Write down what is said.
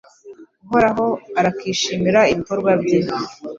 Uhoraho arakishimira ibikorwa bye